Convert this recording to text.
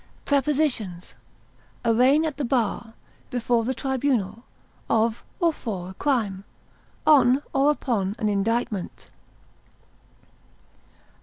Prepositions: Arraign at the bar, before the tribunal, of or for a crime; on or upon an indictment.